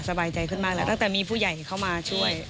สบายใจขึ้นมากแล้วตั้งแต่มีผู้ใหญ่เข้ามาช่วย